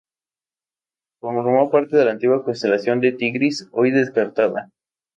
Formó parte de la antigua constelación de Tigris, hoy descartada.